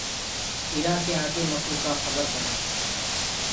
ارآ ڪي آگي مڪوُ ڪآ کبر ڪونآ هي۔